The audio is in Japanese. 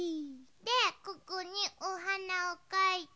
でここにおはなをかいて。